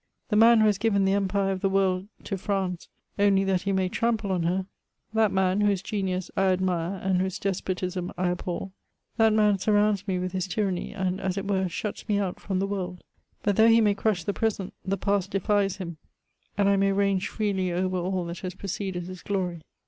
The man who has given the empire of the world to France only that he may trample on her ;— that man, whose genius I admire and ^ whose despotism I abhor ;— that man surrounds me with his tyranny, and as it were, shuts me out from the world. But, though he may crush the present, the past defies him ; and I may range freely over all that has preceded his glory.